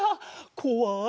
こわい